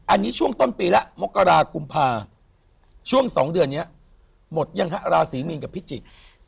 อันนี้ช่วงต้นปีแล้วมกรากุมภาช่วง๒เดือนนี้หมดยังฮะราศีมีนกับพิจิกษ์